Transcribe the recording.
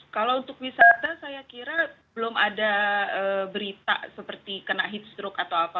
kalau untuk wisata saya kira belum ada berita seperti kena heat stroke atau apa